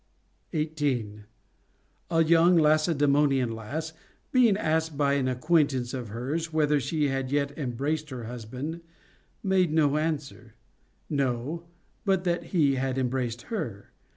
18. A young Lacedaemonian lass, being asked by an acquaintance of hers whether she had yet embraced her husband, made answer, No ; but that he had embraced her.